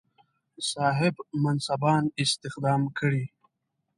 صاحب منصبان استخدام کړي.